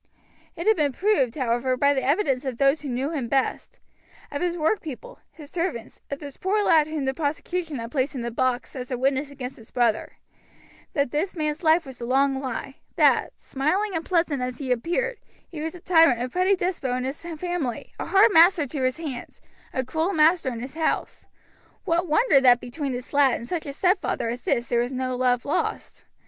It had been proved, however, by the evidence of those who knew him best, of his workpeople, his servants, of this poor lad whom the prosecution had placed in the box as a witness against his brother, that this man's life was a long lie; that, smiling and pleasant as he appeared, he was a tyrant, a petty despot in his family, a hard master to his hands, a cruel master in his house, What wonder that between this lad and such a stepfather as this there was no love lost.